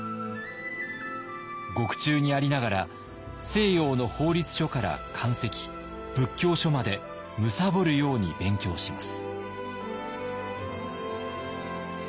獄中にありながら西洋の法律書から漢籍仏教書まで貪るように勉強します。